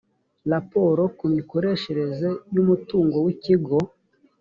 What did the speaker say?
raporo ku mikoreshereze y umutungo w ikigo